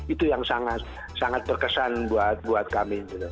itu yang sangat berkesan buat kami